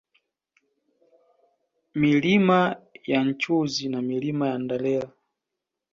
Milima ya Nchuzi na Milima ya Ndaleta